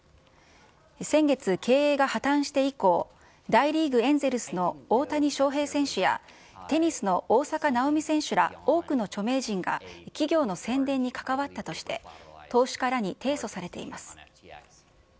先月、経営が破綻して以降、大リーグ・エンゼルスの大谷翔平選手や、テニスの大坂なおみ選手ら多くの著名人が企業の宣伝に関わったとして、投資家らに提訴されています。